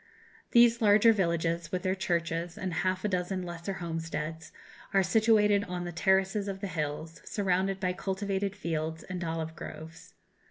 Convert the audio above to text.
These larger villages, with their churches, and half a dozen lesser homesteads, are situated on the terraces of the hills, surrounded by cultivated fields and olive groves.